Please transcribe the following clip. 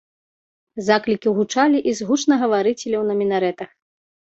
Заклікі гучалі і з гучнагаварыцеляў на мінарэтах.